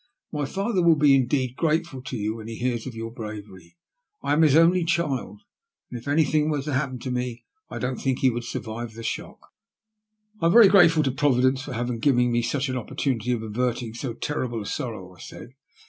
My father will be indeed grateful to you when he hears of your bravery. I am his only child, and if anything were to happen to me I don't think he would survive the shock." " I am very grateful to Providence for having given me such an opportunity of averting so terrible a sorrow," I said.